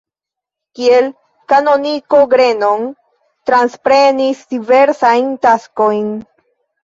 Kiel kanoniko Grenon transprenis diversajn taskojn.